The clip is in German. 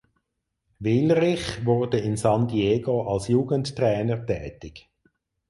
Willrich wurde in San Diego als Jugendtrainer tätig.